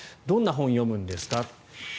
どんな本を読むんですか。